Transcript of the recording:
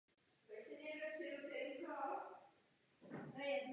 Víme, že jí byl pět týdnů odmítán přístup k právníkovi.